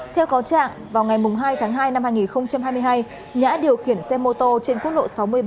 theo cáo trạng vào ngày hai tháng hai năm hai nghìn hai mươi hai nhã điều khiển xe mô tô trên quốc lộ sáu mươi bảy